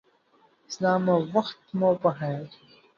سلام او وخت مو پخیر